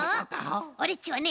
オレっちはね